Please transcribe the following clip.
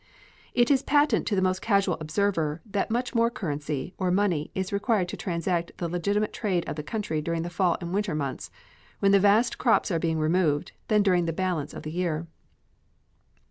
It is patent to the most casual observer that much more currency, or money, is required to transact the legitimate trade of the country during the fall and winter months, when the vast crops are being removed, than during the balance of the year.